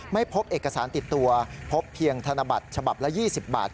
ไม่พบเอกสารติดตัวพบเพียงธนบัตรฉบับละ๒๐บาท